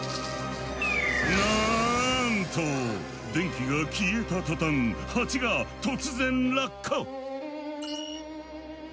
なんと電気が消えた途端ハチが突然落下！